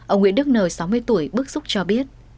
ông nguyễn đức n sáu mươi tuổi bức xúc cho biết